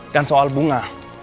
dan soal bunga